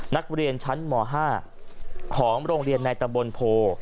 นักเรียนชั้นม๕ของโรงเรียนในตำบลโพ